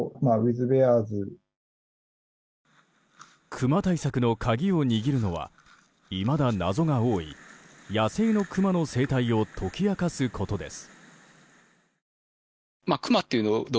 クマ対策の鍵を握るのはいまだ謎が多い野生のクマの生態を解き明かすことです。